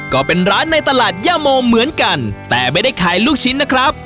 ก็เป็นร้านในตลาดย่าโมเหมือนกันแต่ไม่ได้ขายลูกชิ้นนะครับ